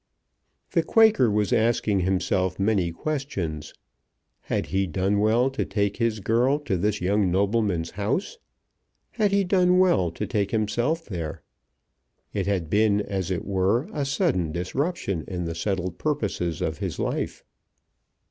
The Quaker was asking himself many questions. Had he done well to take his girl to this young nobleman's house? Had he done well to take himself there? It had been as it were a sudden disruption in the settled purposes of his life.